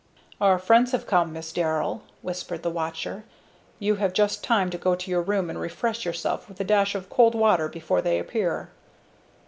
"Our friends have come, Miss Darrell," whispered the watcher. "You have just time to go to your room and refresh yourself with a dash of cold water before they appear."